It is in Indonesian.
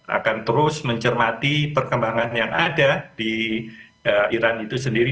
dan akan terus mencermati perkembangan yang ada di iran itu sendiri